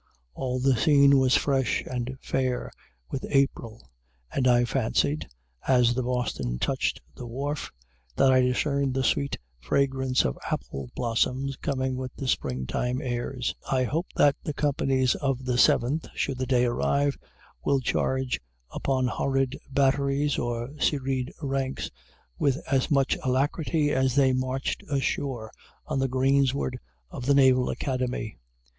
All the scene was fresh and fair with April, and I fancied, as the "Boston" touched the wharf, that I discerned the sweet fragrance of apple blossoms coming with the spring time airs. I hope that the companies of the Seventh, should the day arrive, will charge upon horrid batteries or serried ranks with as much alacrity as they marched ashore on the greensward of the Naval Academy.